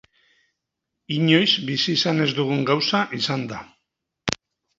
Inoiz bizi izan ez dugun gauza izan da.